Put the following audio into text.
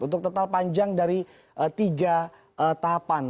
untuk total panjang dari tiga tahapan